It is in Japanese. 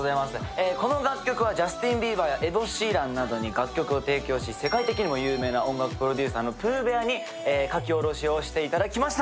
この楽曲はジャスティン・ビーバーなどに楽曲を提供し、世界的に有名な音楽プロデューサーのプーベアに書き下ろしをしていただきました。